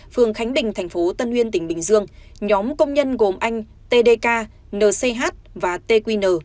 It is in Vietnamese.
phường khánh bình tp tân nguyên tỉnh bình dương nhóm công nhân gồm anh tdk nch và tqn